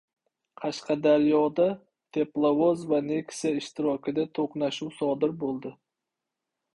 Qashqadaryoda teplovoz va Nexia ishtirokida to‘qnashuv sodir bo‘ldi